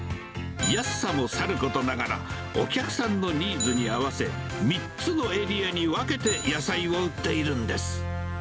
安さもさることながら、お客さんのニーズに合わせ、３つのエリアに分けて野菜を売っているんです。